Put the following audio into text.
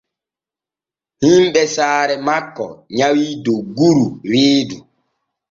Himɓe saare maɓɓe nyawii dogguru reedu.